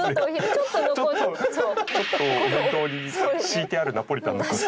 ちょっとお弁当に敷いてあるナポリタン。